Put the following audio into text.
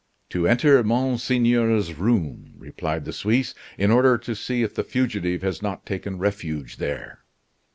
"To enter Monseigneur's room," replied the Suisse, "in order to see if the fugitive has not taken refuge there."